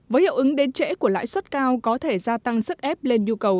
với hiệu ứng đến trễ của lãi suất cao có thể gia tăng sức ép lên nhu cầu